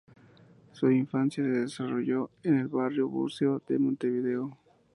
Su infancia se desarrolló en el barrio Buceo de Montevideo.